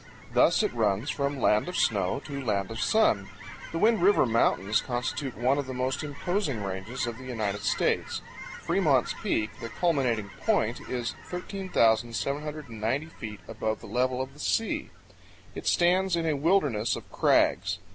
Thus it runs "from land of snow to land of sun." The Wind River Mountains constitute one of the most imposing ranges of the United States. Fremont's Peak, the culminating point, is 13,790 feet above the level of the sea. It stands in a wilderness of crags.